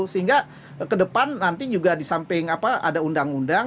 sehingga ke depan nanti juga disamping ada undang undang